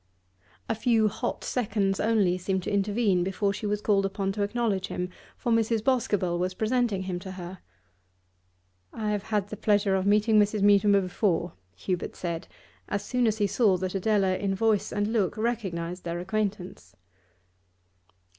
A few hot seconds only seemed to intervene before she was called upon to acknowledge him, for Mrs. Boscobel was presenting him to her. 'I have had the pleasure of meeting Mrs. Mutimer before,' Hubert said as soon as he saw that Adela in voice and look recognised their acquaintance.